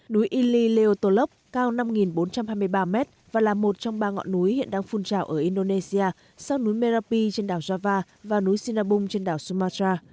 núi ili leotolop cao năm bốn trăm hai mươi ba m và là một trong ba ngọn núi hiện đang phun trào ở indonesia sau núi merapi trên đảo himalaya